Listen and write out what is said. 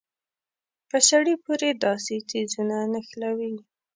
په سړي پورې داسې څيزونه نښلوي.